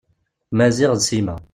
Maziɣ d Sima.